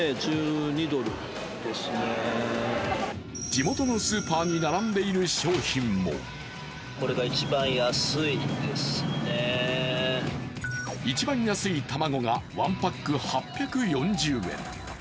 地元のスーパーに並んでいる商品も一番安い卵が１パック８４０円。